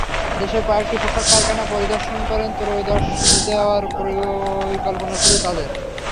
দেশের কয়েকটি পোশাক কারখানা পরিদর্শন করে ক্রয়াদেশ দেওয়ার পরিকল্পনা ছিল তাদের।